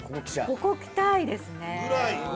ここ来たいですね。